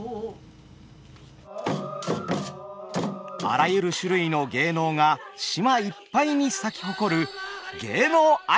あらゆる種類の芸能が島いっぱいに咲き誇る